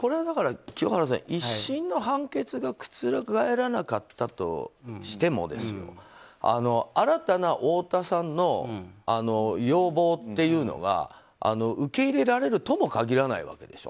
清原さん、１審の判決が覆られなかったとしても新たな太田さんの要望というのが受け入れられるとも限らないわけでしょ。